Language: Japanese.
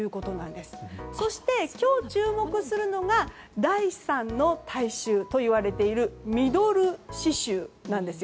そして今日、注目するのが第３の体臭と言われているミドル脂臭なんです。